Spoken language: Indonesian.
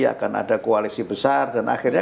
akan ada koalisi besar dan akhirnya